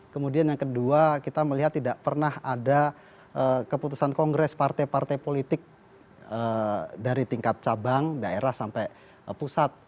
kemudian yang kedua kita melihat tidak pernah ada keputusan kongres partai partai politik dari tingkat cabang daerah sampai pusat